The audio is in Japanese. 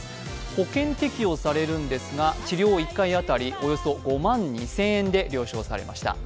保険適用されるんですが、治療１回当たりおよそ５万２０００円で了承されました